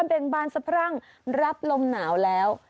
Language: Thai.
เบ่งบานสะพรั่งรับลมหนาวแล้ว